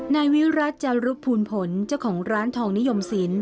นายวิรัติจารุภูลผลเจ้าของร้านทองนิยมศิลป